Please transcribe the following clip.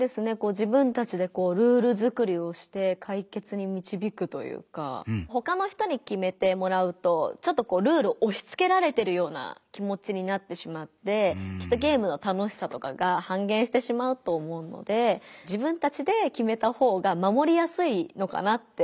自分たちでこうルール作りをして解決にみちびくというかほかの人に決めてもらうとちょっとこうルールをおしつけられてるような気もちになってしまってきっとゲームの楽しさとかが半減してしまうと思うので自分たちで決めた方がまもりやすいのかなって思いましたね。